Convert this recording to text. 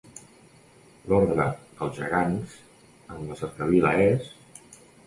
L’ordre dels Gegants en la cercavila és: